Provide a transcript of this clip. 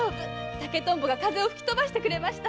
竹トンボが風邪を吹き飛ばしてくれました。